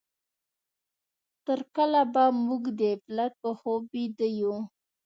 تر کله به موږ د غفلت په خوب ويده يو؟